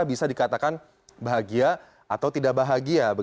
bisa dikatakan bahagia atau tidak bahagia